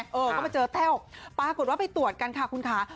เออก็มาเจอแต้วปรากฏว่าไปตรวจกันค่ะคุณค่ะ